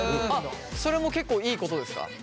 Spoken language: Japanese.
それも結構いいことですか？